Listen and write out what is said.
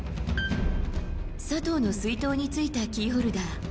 佐藤の水筒についたキーホルダー。